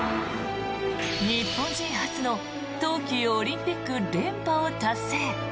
日本人初の冬季オリンピック連覇を達成。